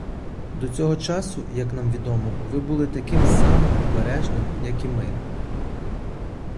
До цього часу, як нам відомо, ви були таким самим обережним, як і ми.